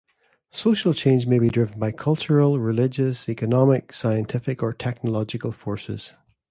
Social change may be driven by cultural, religious, economic, scientific or technological forces.